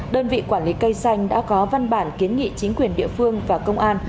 đơn vị quản lý cây xanh đã có văn bản kiến nghị chính quyền địa phương và công an